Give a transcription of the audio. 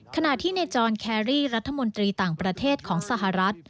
ขณะที่ในจอนแครรี่รัฐมนตรีต่างประเทศของสหรัฐ